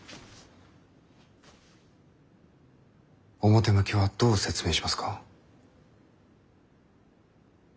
表向きはどう説明しますか？